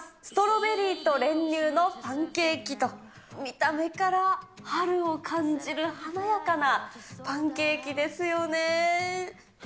ストロベリーと練乳のパンケーキと、見た目から春を感じる華やかなパンケーキですよね。